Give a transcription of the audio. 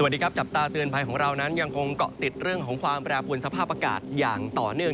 สวัสดีครับจับตาเตือนภัยของเรานั้นยังคงเกาะติดเรื่องของความแปรปวนสภาพอากาศอย่างต่อเนื่อง